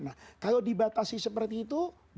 nah kalau dibatasi seperti itu